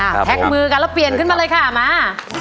แท็กมือกันแล้วเปลี่ยนขึ้นมาเลยค่ะมา